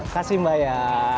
kasih mbak ya